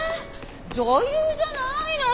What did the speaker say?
女優じゃないの？